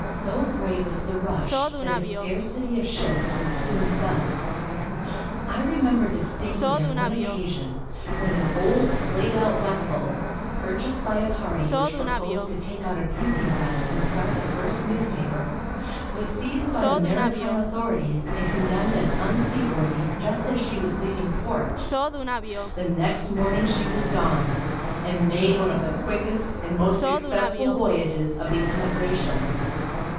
So great was the rush that a scarcity of ships was soon felt. I remember distinctly on one occasion, when an old played out vessel, purchased by a party which proposed to take out a printing press and start the first newspaper, was seized by the maritime authorities and condemned as unseaworthy just as she was leaving port. The next morning she was gone, and made one of the quickest and most successful voyages of the emigration.